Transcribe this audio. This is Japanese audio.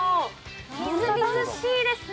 みずみずしいですね。